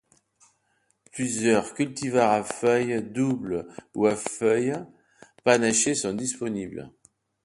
Plusieurs cultivars à fleurs doubles ou à feuilles panachées sont disponibles.